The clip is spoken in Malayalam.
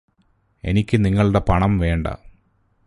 എനിക്ക് നിങ്ങളുടെ പണം വേണ്ട